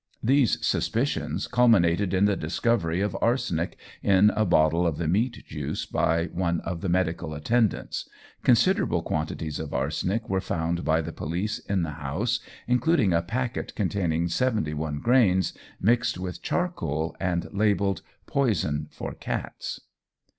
These suspicions culminated in the discovery of arsenic in a bottle of the meat juice by one of the medical attendants. Considerable quantities of arsenic were found by the police in the house, including a packet containing seventy one grains, mixed with charcoal, and labelled "Poison for cats."